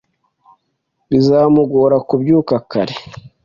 Bizamugora kubyuka kare.